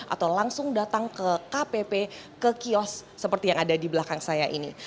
atau langsung datang ke kpp ke kios seperti yang ada di belakang saya ini